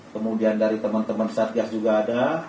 kemudian dari teman teman satgas juga ada